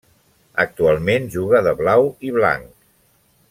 Actualment juga de blau i blanc.